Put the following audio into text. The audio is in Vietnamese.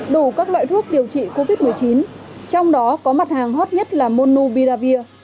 đủ các loại thuốc điều trị covid một mươi chín trong đó có mặt hàng hot nhất là monubiravir